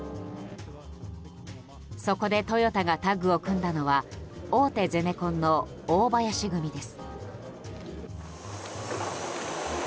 そこでトヨタがタッグを組んだのは大手ゼネコンの大林組です。